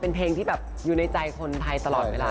เป็นเพลงที่แบบอยู่ในใจคนไทยตลอดเวลา